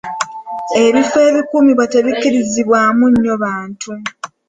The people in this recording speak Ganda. Ebifo ebikumibwa tebikirizibwamu nnyo bantu.